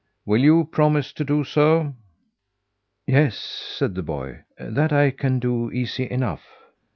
Will you promise to do so?" "Yes," said the boy, "that I can do easy enough."